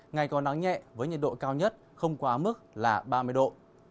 ngày còn nắng nhẹ với nhiệt độ cao nhất không quá mức là ba mươi độ